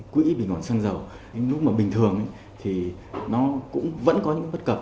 quỹ bình quản xăng dầu lúc mà bình thường thì nó cũng vẫn có những bất cập